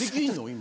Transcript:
今。